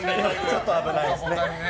ちょっと危ないですね。